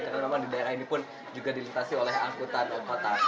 karena memang di daerah ini pun juga dilintasi oleh angkutan kota